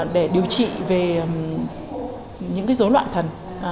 để điều trị về những cái dối loạn thần